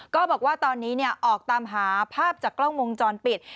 ก็บอกว่าตอนนี้ออกตามหาภาพจากกล้องวงจรปิด